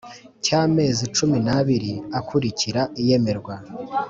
Cy amezi cumi n abiri akurikira iyemerwa